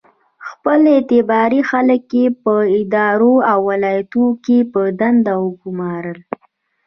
خپل اعتباري خلک یې په ادارو او ولایتونو کې په دندو وګومارل.